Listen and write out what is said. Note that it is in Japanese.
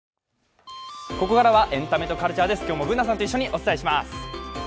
ここからは「エンタメとカルチャー」です今日もＢｏｏｎａさんと一緒にお伝えします。